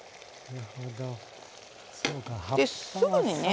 ですぐにね